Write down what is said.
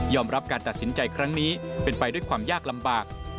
รับการตัดสินใจครั้งนี้เป็นไปด้วยความยากลำบาก